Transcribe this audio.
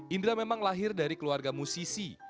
indra memang lahir dari keluarga musisi